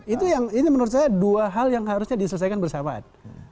itu yang ini menurut saya dua hal yang harusnya diselesaikan bersamaan